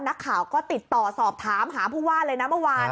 นักข่าวก็ติดต่อสอบถามหาผู้ว่าเลยนะเมื่อวาน